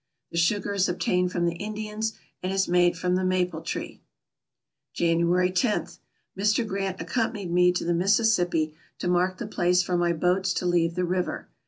The sugar is ob tained from the Indians, and is made from the maple tree. January 10. — Mr. Grant accompanied me to the Mis sissippi, to mark the place for my boats to leave the river.